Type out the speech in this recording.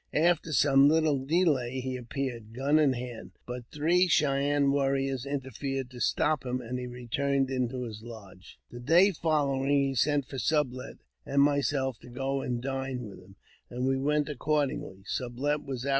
After some little delay, he appeared, gu:^ in hand ; but three Cheyenne warriors interfered to stop him, and he returned into his lodge. The day following he sent for Sublet and myself to go and dine with him, and we went accordingly. Sublet was ap JAMES P. BECKWOUBTH.